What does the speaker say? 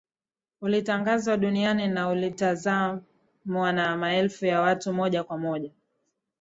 Ulitangazwa duniani na ulitazamwa na maelfu ya watu moja kwa moja